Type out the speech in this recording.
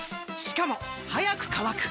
しかも速く乾く！